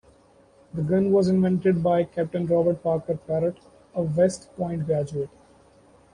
The gun was invented by Captain Robert Parker Parrott, a West Point graduate.